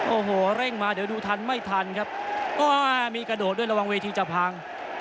โอ้โหเร่งมาเดี๋ยวดูทันไม่ทันครับอ่ามีกระโดดด้วยระวังเวทีจะพัง